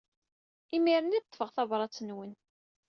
Imir-nni i d-ṭṭfeɣ tabrat-nwen.